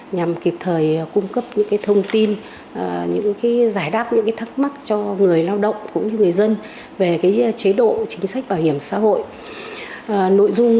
nhằm kịp thời cung cấp những cái thông tin những cái giải đáp những cái thắc mắc cho người lao động cũng như người dân về cái chế độ chính sách bảo hiểm xã hội